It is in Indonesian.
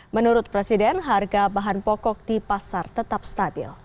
menurut presiden harga bahan pokok di pasar tetap stabil